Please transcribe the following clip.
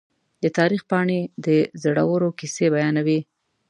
د تاریخ پاڼې د زړورو کیسې بیانوي.